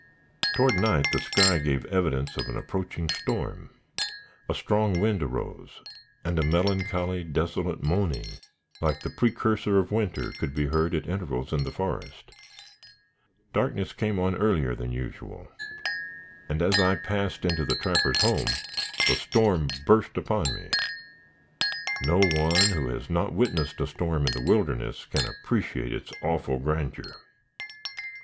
Toward night the sky gave evidence of an approaching storm. A strong wind arose, and a melancholy, desolate moaning, like the precursor of winter, could be heard at intervals in the forest. Darkness came on earlier than usual, and, as I passed into the trapper's home, the storm burst upon me. No one who has not witnessed a storm in the wilderness, can appreciate its awful grandeur.